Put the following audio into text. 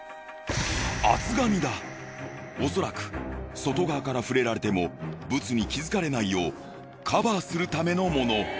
おそらく外側から触れられてもブツに気づかれないようカバーするためのもの。